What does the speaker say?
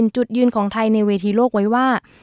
จุดยืนของไทยในเวทีโลกไว้ว่า